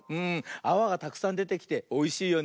あわがたくさんでてきておいしいよね。